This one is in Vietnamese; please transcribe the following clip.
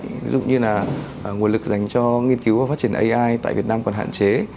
ví dụ như là nguồn lực dành cho nghiên cứu và phát triển ai tại việt nam còn hạn chế